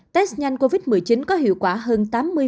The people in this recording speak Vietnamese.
test nhanh covid một mươi chín có hiệu quả hơn tám mươi